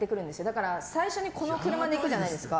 だから最初に、この車で行くじゃないですか。